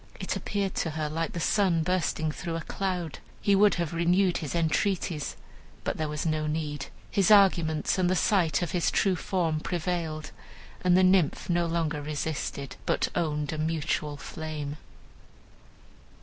It appeared to her like the sun bursting through a cloud. He would have renewed his entreaties, but there was no need; his arguments and the sight of his true form prevailed, and the Nymph no longer resisted, but owned a mutual flame.